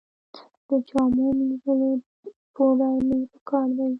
د جامو مینځلو پوډر مې په کار دي